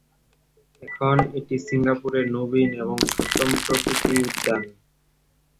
এখন এটি সিঙ্গাপুরের নবীন এবং সপ্তম প্রকৃতি উদ্যান।